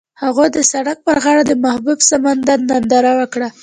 هغوی د سړک پر غاړه د محبوب سمندر ننداره وکړه.